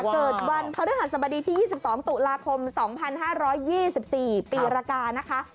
เกิดวันพระฤหัสบดีที่๒๒ตุลาคม๒๕๒๔ปีรกานะคะ